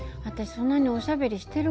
そんなにおしゃべりしてるかな。